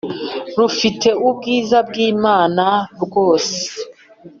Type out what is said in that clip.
rufite ubwiza bw’Imana rwose